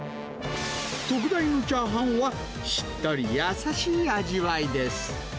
特大のチャーハンは、しっとり優しい味わいです。